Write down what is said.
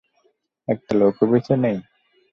একটা লোকও বেঁচে নেই?